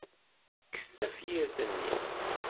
Kkes tafyirt-nni.